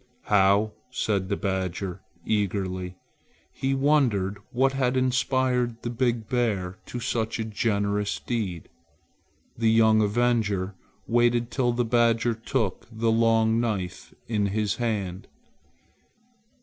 "How!" said the badger eagerly. He wondered what had inspired the big bear to such a generous deed. The young avenger waited till the badger took the long knife in his hand.